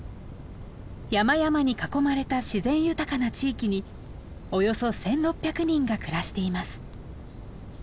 山々に囲まれた自然豊かな地域におよそ１６００人が暮らしています。